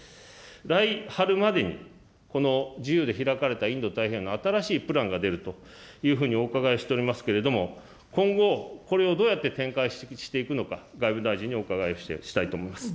来春までに、この自由でひらかれたインド太平洋の新しいプランが出るというふうにお伺いをしておりますけれども、今後、これをどうやって展開していくのか、外務大臣にお伺いしたいと思います。